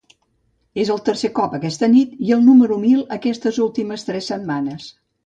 És el tercer cop aquesta nit, i el número mil aquestes últimes tres setmanes.